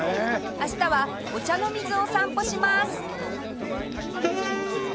明日は御茶ノ水を散歩します